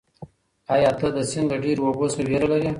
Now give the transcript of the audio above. ایا ته د سیند له ډېرو اوبو څخه وېره لرې؟